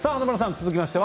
続きましては。